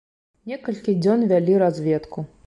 Некалькі дзён вялі разведку.